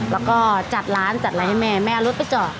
แล้วก็จัดร้านจัดอะไรให้แม่แม่เอารถไปจอด